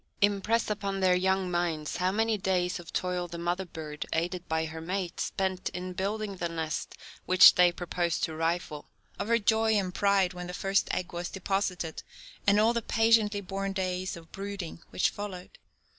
Impress upon their young minds how many days of toil the mother bird, aided by her mate, spent in building the nest which they purpose to rifle, of her joy and pride when the first egg was deposited, and all the patiently borne days of brooding which followed.